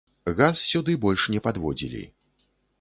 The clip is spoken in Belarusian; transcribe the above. Газ сюды больш не падводзілі.